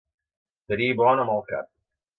Tenir bon o mal cap.